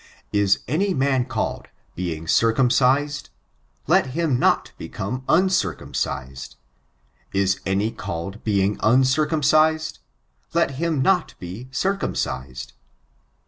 '* Is any man called, being circum cised 1 let him not become uncircumcised. Is anv called, being uncircumcised? let him not be circumcised."